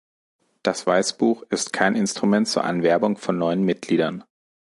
Das Weißbuch ist kein Instrument zur Anwerbung von neuen Mitgliedern.